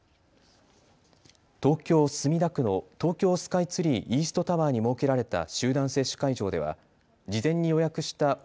東京墨田区の東京スカイツリーイーストタワーに設けられた集団接種会場では事前に予約した